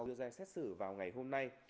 đưa ra xét xử vào ngày hôm nay